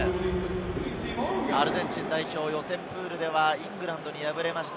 アルゼンチン代表、予選プールではイングランドに敗れました。